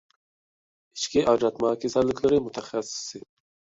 ئىچكى ئاجراتما كېسەللىكلىرى مۇتەخەسسىسى